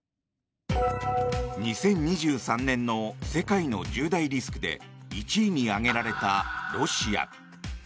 ２０２３年の世界の１０大リスクで１位に挙げられたロシア。